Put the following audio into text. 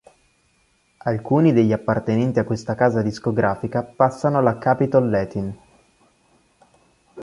Alcuni degli appartenenti a questa casa discografica passano alla Capitol Latin.